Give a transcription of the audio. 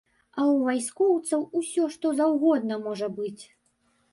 А ў вайскоўцаў усё што заўгодна можа быць.